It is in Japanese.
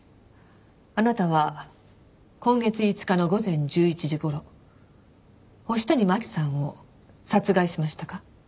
あなたは今月５日の午前１１時頃星谷真輝さんを殺害しましたか？